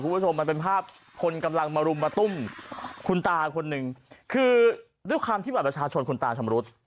คุณผู้ชมมันเป็นภาพคนกำลังมารุมมาตุ้มคุณตาคนหนึ่งคือด้วยความที่บัตรประชาชนคุณตาชำรุด